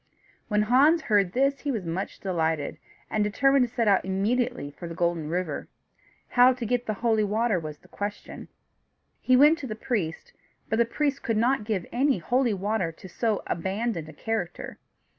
When Hans heard this, he was much delighted, and determined to set out immediately for the Golden River. How to get the holy water was the question. He went to the priest, but the priest could not give any holy water to so abandoned a character.